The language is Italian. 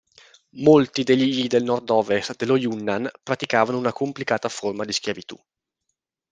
Molti degli Yi nel nord-ovest dello Yunnan praticavano una complicata forma di schiavitù.